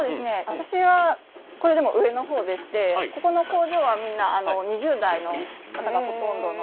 私はこれでも上の方でしてこの工場はみんな２０代の方がほとんどの。